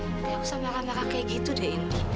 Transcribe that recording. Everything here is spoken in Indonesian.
nggak usah melaka laka kayak gitu deh indi